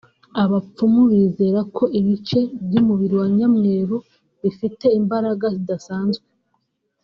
Abapfumu bizera ko ibice by’umubiri wa nyamweru bifite imbaraga zidasanzwe